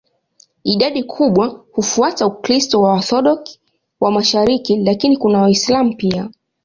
Idadi kubwa hufuata Ukristo wa Waorthodoksi wa mashariki, lakini kuna Waislamu pia.